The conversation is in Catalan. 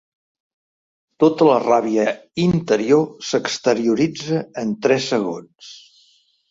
Tota la ràbia interior s'exterioritza en tres segons.